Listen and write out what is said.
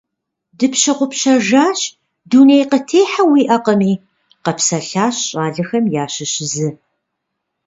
Дыпщыгъупщэжащ, дуней къытехьэ уиӀэкъыми, – къэпсэлъащ щӀалэхэм ящыщ зы.